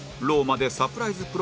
ローマでサプライズ